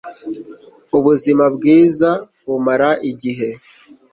ubuzima bwiza bumara igihe